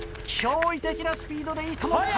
驚異的なスピードでいとも